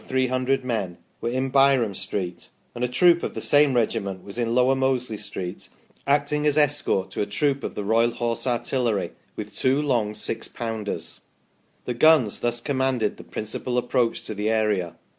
over 300 men) were in Byrom Street and a troop of the same regiment was in Lower Mosley Street, acting as escort to a troop of PROCESSIONS FROM OUTLYING DISTRICTS 19 the Royal Horse Artillery with two long six pounders ; the guns thus commanded the principal approach to the area.